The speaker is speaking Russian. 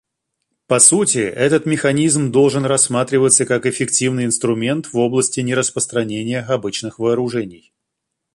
По сути, этот механизм должен рассматриваться как эффективный инструмент в области нераспространения обычных вооружений.